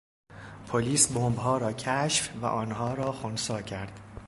پلیس بمبها را کشف و آنها را خنثی کرد.